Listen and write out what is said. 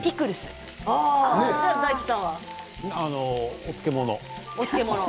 お漬物。